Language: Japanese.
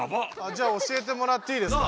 じゃあ教えてもらっていいですか？